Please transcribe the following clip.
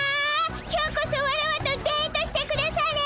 今日こそワラワとデートしてくだされ！